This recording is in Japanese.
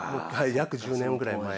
約１０年ぐらい前。